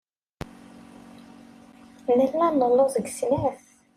Nella nelluẓ deg snat.